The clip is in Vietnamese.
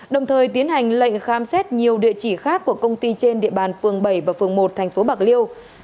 đồng thời tiến hành lệnh khám xét nhiều địa chỉ khác của công ty trên địa bàn phường bảy và phường một thành phố bạc liêu